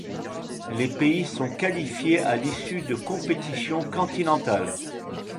Les pays sont qualifiés à l'issue de compétitions continentales.